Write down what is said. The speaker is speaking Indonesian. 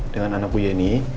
dengan anak bu yeni